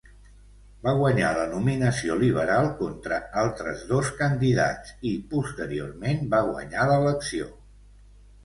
Va guanyar la nominació Liberal contra altres dos candidats i, posteriorment, va guanyar l'elecció.